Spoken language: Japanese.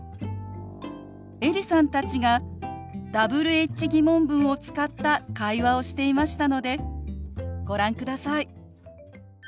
エリさんたちがＷｈ−疑問文を使った会話をしていましたのでご覧ください。